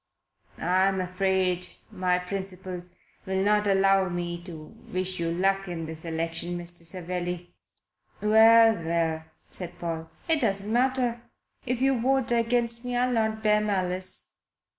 "I'm afraid my principles will not allow me to wish you luck in this election, Mr. Savelli." "Well, well," said Paul. "It doesn't matter. If you vote against me I'll not bear malice."